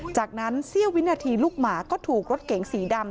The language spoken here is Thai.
จากนั้นเสี้ยววินาทีลูกหมาก็ถูกรถเก๋งสีดำ